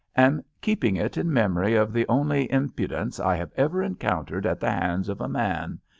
Am keeping it in memory of the only impu dence I have ever encountered at the hands of a man.